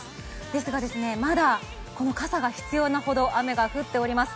ですが、まだ傘が必要なほど雨が降っております。